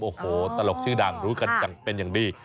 โอ้โหตลกชื่อดังรู้กันอย่างเป็นอย่างดี